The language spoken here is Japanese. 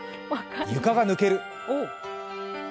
床が抜ける？